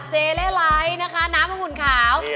เล่ไลท์นะคะน้ำองุ่นขาว